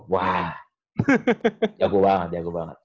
wah jago banget jago banget